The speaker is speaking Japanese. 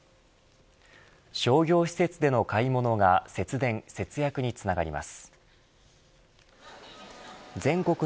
商業施設での買い物が節電・節約につながります。